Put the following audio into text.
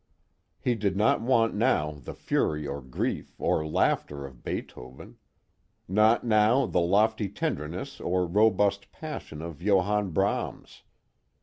He did not want now the fury or grief or laughter of Beethoven; not now the lofty tenderness or robust passion of Johannes Brahms.